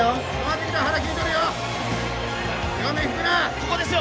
「ここですよ。